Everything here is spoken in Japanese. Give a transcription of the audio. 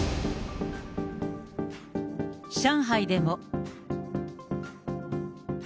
上海でも。